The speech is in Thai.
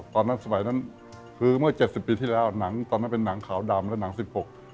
สมัยนั้นคือเมื่อเจ็ดสิบปีที่แล้วหนังตอนนั้นเป็นหนังขาวดำและหนังสิบหก